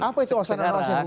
apa itu osan dan osin